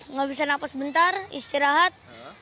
nggak bisa nafas sebentar istirahat